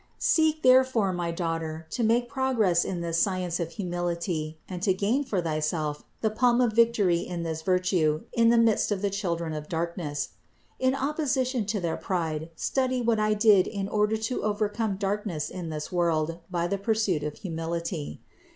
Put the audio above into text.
Seek therefore, my daughter, to make progress in this science of humility and to gain for thyself the palm of victory in this virtue in the midst of the children of darkness; in opposition to their pride, study what I did in order to overcome darkness in this world by the pursuit of humility.